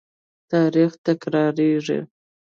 تاریخ تکرارېږي.